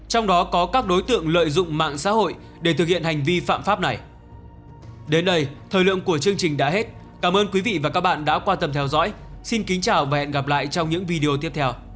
trong đó có các đối tượng lợi dụng mạng xã hội để thực hiện hành vi phạm pháp này